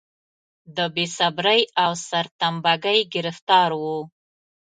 د بې صبرۍ او سرتمبه ګۍ ګرفتار و.